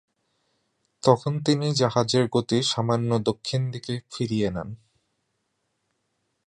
তখন তিনি জাহাজের গতি সামান্য দক্ষিণ দিকে ফিরিয়ে নেন।